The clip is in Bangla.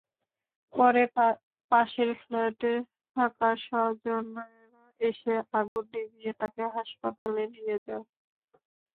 পরে পাশের ফ্ল্যাটে থাকা স্বজনেরা এসে আগুন নিভিয়ে তাঁকে হাসপাতালে নিয়ে যায়।